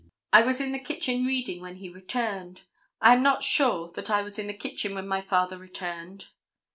I was in the kitchen reading when he returned. I am not sure that I was in the kitchen when my father returned.